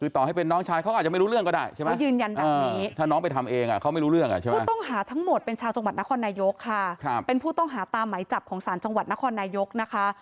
ถ้าผู้ต้องหาทั้งหมดเป็นชาวจังหวัดนครนายกค่ะเป็นผู้ต้องหาตามไหมจับของสารจังหวัดนครนายกนะคะ